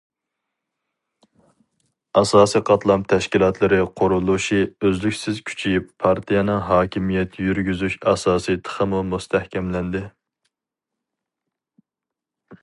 ئاساسىي قاتلام تەشكىلاتلىرى قۇرۇلۇشى ئۈزلۈكسىز كۈچىيىپ، پارتىيەنىڭ ھاكىمىيەت يۈرگۈزۈش ئاساسى تېخىمۇ مۇستەھكەملەندى.